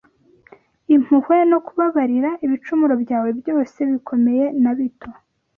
Impuhwe no kubabarira ibicumuro byawe byose bikomeye na bito